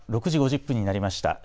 ６時５０分になりました。